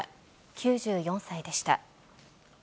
９４歳でした。